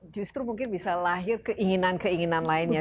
justru mungkin bisa lahir keinginan keinginan lainnya